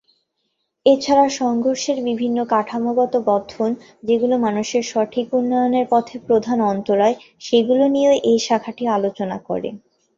এছাড়া সংঘর্ষের বিভিন্ন কাঠামোগত গঠন, যেগুলো মানুষের সঠিক উন্নয়নের পথে প্রধান অন্তরায়, সেগুলো নিয়েও এ শাখাটি আলোচনা করে।